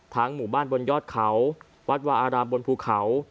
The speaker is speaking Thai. หมู่บ้านบนยอดเขาวัดวาอารามบนภูเขา